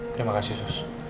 terima kasih sus